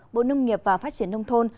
bộ nông nghiệp và phát triển nông thôn